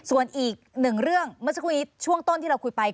ส่วนอีกหนึ่งเรื่องเมื่อสักครู่นี้ช่วงต้นที่เราคุยไป